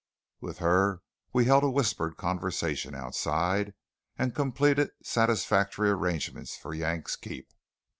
With her we held a whispered conversation outside, and completed satisfactory arrangements for Yank's keep.